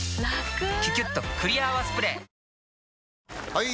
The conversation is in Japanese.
・はい！